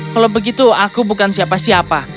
kalau begitu aku bukan siapa siapa